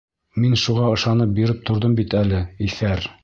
Мин шуға ышанып биреп торҙом бит әле, иҫәр.